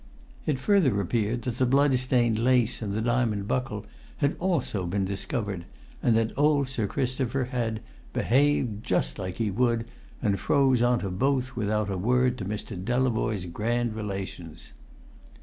It further appeared that the blood stained lace and the diamond buckle had also been discovered, and that old Sir Christopher had "behaved just like he would, and froze on to both without a word to Mr. Delavoye's grand relations."